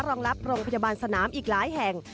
รองรับโรงพยาบาลสนามอีกหลายแห่ง